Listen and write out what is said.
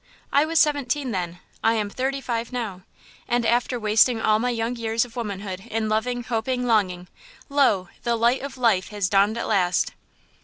I was seventeen then; I am thirty five now. And after wasting all my young years of womanhood in loving, hoping, longing–lo! the light of life has dawned at last!"